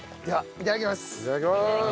いただきます。